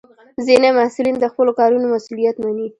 ځینې محصلین د خپلو کارونو مسؤلیت مني.